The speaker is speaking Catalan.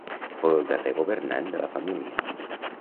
Fou el darrer governant de la família.